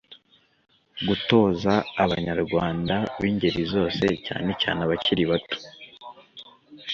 gutoza abanyarwanda b'ingeri zose, cyane cyane abakiri bato